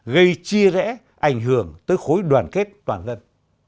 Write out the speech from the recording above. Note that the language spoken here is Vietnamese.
gây chia rẽ ảnh hưởng tới khối đoàn kết toàn dân